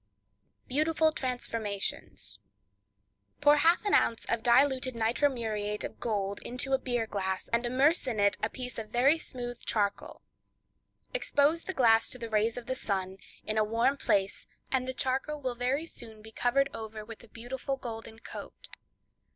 Beautiful Transformations.—Pour half an ounce of diluted nitro muriate of gold into a beer glass, and immerse in it a piece of very smooth charcoal. Expose the glass to the rays of the sun, in a warm place, and the charcoal will very soon be covered over with a beautiful golden coat.